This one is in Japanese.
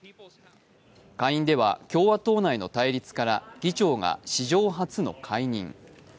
下院では共和党内の対立から議長が史上初の解任。